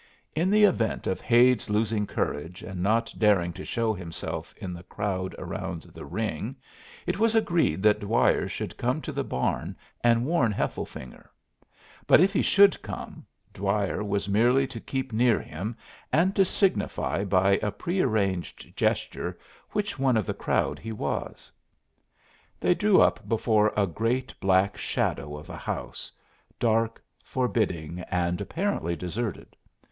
In the event of Hade's losing courage and not daring to show himself in the crowd around the ring, it was agreed that Dwyer should come to the barn and warn Hefflefinger; but if he should come, Dwyer was merely to keep near him and to signify by a prearranged gesture which one of the crowd he was. They drew up before a great black shadow of a house, dark, forbidding, and apparently deserted.